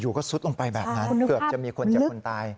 ก็ซุดลงไปแบบนั้นเกือบจะมีคนเจ็บคนตาย